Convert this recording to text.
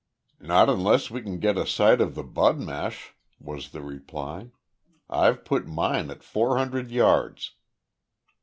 "Not unless we can get a sight on the budmash," was the reply. "I've put mine at four hundred yards."